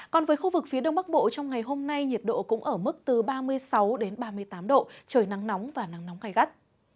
còn với khu vực phía đông bắc bộ trong ngày hôm nay nhiệt độ cũng ở mức từ ba mươi sáu ba mươi tám độ trời nắng nóng và nắng nóng gai gắt